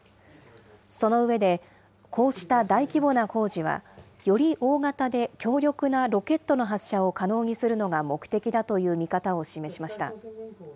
その上で、こうした大規模な工事は、より大型で強力なロケットの発射を可能にするのが目的だという見方を示しました。